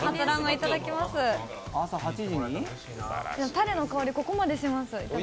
たれの香り、ここまでします。